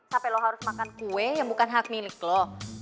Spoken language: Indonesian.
sampai lo harus makan kue yang bukan hak milik loh